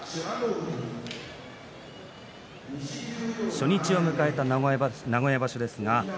初日を迎えた名古屋場所。